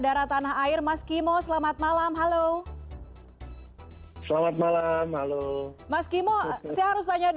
udah nonton ya